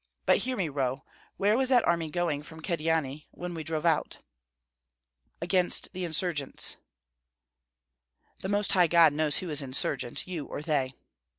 But hear me, Roh, where was that army going from Kyedani when we drove out?" "Against the insurgents." "The Most High God knows who is insurgent, you or they."